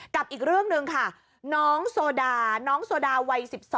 กับอีกเรื่องหนึ่งค่ะน้องโซดาน้องโซดาวัย๑๒